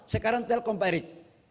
sekarang telkom pak erick